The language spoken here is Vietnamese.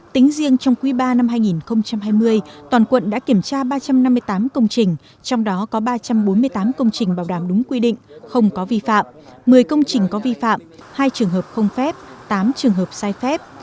tính riêng trong quý ba năm hai nghìn hai mươi toàn quận đã kiểm tra ba trăm năm mươi tám công trình trong đó có ba trăm bốn mươi tám công trình bảo đảm đúng quy định không có vi phạm một mươi công trình có vi phạm hai trường hợp không phép tám trường hợp sai phép